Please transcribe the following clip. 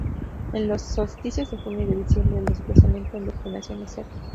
En los solsticios de junio y de diciembre, el desplazamiento en declinación es cero.